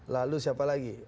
lalu siapa lagi